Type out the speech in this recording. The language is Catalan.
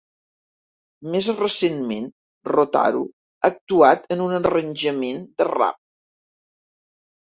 Més recentment, Rotaru ha actuat en un arranjament de rap.